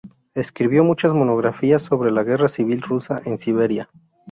Escribió muchas monografías sobre la Guerra Civil Rusa en Siberia.